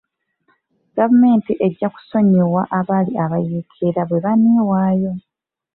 Gavumenti ejja kusonyiwa abaali abayekera bwe baneewaayo.